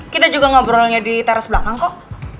kita juga ngobrolnya di teras belakang kok